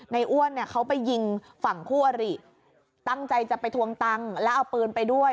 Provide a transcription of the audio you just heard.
อ้วนเนี่ยเขาไปยิงฝั่งคู่อริตั้งใจจะไปทวงตังค์แล้วเอาปืนไปด้วย